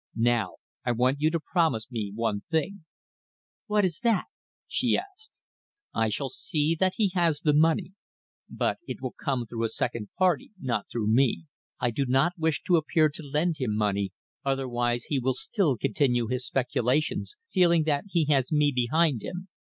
Now I want you to promise me one thing." "What is that?" she asked. "I shall see that he has the money. But it will come through a second party, not through me. I do not wish to appear to lend him money, otherwise he will still continue his speculations, feeling that he has me behind him.